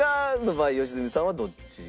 場合良純さんはどっち。